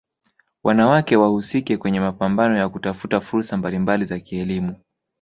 wanawake wahusike kwenye mapambano ya kutafuta fursa mbalimbali za kielimu